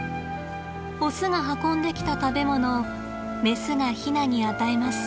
オスが運んできた食べ物をメスがヒナに与えます。